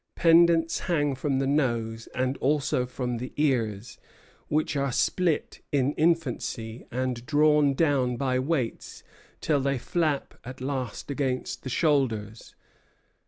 Pendants hang from the nose and also from the ears, which are split in infancy and drawn down by weights till they flap at last against the shoulders.